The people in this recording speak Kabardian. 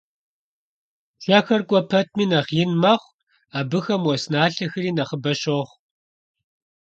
Пшэхэр кӀуэ пэтми нэхъ ин мэхъу, абыхэм уэс налъэхэри нэхъыбэ щохъу.